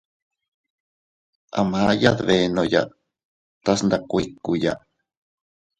A maʼya dbenoya tase ndas kuikkuya.